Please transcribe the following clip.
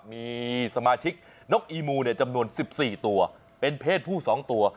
มีสมาชิกนกอีมูจำนวน๑๔ตัวเป็นเพศผู้๒ตัว